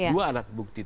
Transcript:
dua alat bukti